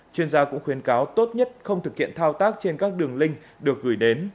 chuyên gia cũng khuyến cáo tốt nhất không thực hiện thao tác trên các đường link được gửi đến